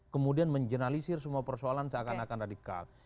kemudian menjernalisir semua persoalan seakan akan radikal